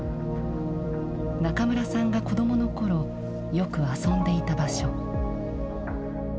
中村さんが子どもの頃よく遊んでいた場所。